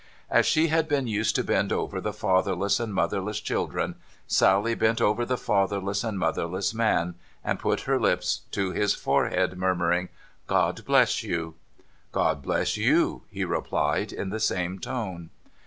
As she had been used to bend over the fatherless and motherless children, Sally bent over the fatherless and motherless man, and put her lips to his forehead, murmuring :' God bless you !'' God bless you !' he replied, in the same tone.